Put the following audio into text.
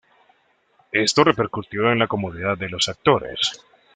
Esto repercutió en la comodidad de los actores.